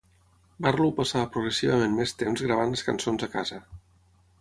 Barlow passava progressivament més temps gravant les cançons a casa.